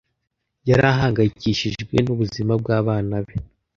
Yari ahangayikishijwe n'ubuzima bw'abana be.